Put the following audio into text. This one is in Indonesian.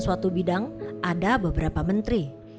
suatu bidang ada beberapa menteri